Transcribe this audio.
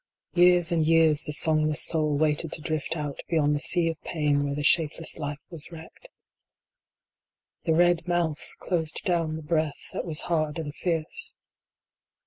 Years and years the songless soul waited to drift out beyond the sea of pain where the shapeless life was wrecked. The red mouth closed down the breath that was hard and fierce.